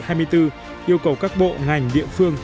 yêu cầu các bộ ngành địa phương